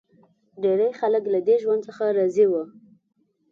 ډېری خلک له دې ژوند څخه راضي و.